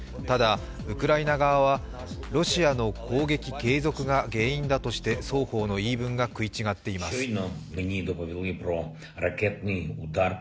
ただ、ウクライナ側は、ロシアの攻撃継続が理由だとして双方の言い分が食い違っています。